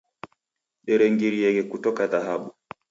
Derengirieghe kukota dhahabu.